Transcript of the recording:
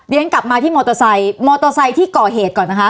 กลับมาที่มอเตอร์ไซค์มอเตอร์ไซค์ที่ก่อเหตุก่อนนะคะ